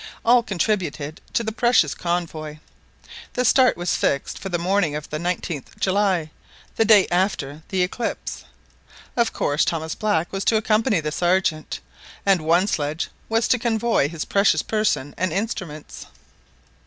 all contributed to the precious convoy. The start was fixed for the morning of the 19th July, the day after the eclipse. Of course Thomas Black was to accompany the Sergeant, and one sledge was to convoy his precious person and instruments.